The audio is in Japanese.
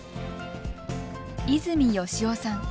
泉善雄さん。